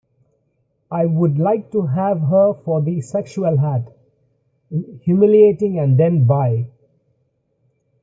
I would like to have her for the sexual act: humiliating and then bye.